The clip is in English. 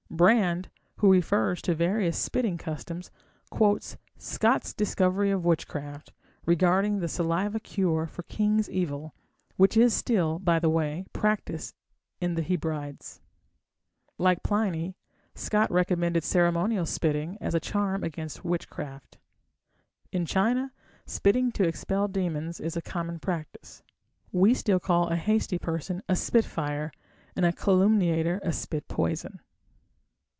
Brand, who refers to various spitting customs, quotes Scot's Discovery of Witchcraft regarding the saliva cure for king's evil, which is still, by the way, practised in the Hebrides. Like Pliny, Scot recommended ceremonial spitting as a charm against witchcraft. In China spitting to expel demons is a common practice. We still call a hasty person a "spitfire", and a calumniator a "spit poison".